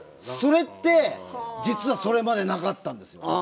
それって実はそれまでなかったんですよ。